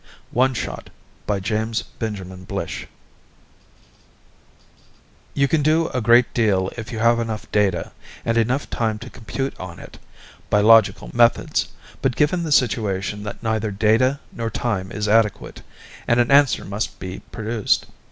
pgdp.net ONE SHOT _You can do a great deal if you have enough data, and enough time to compute on it, by logical methods. But given the situation that neither data nor time is adequate, and an answer must be produced